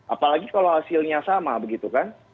apalagi kalau hasilnya sama begitu kan